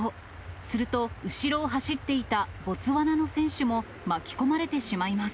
すると、後ろを走っていたボツワナの選手も巻き込まれてしまいます。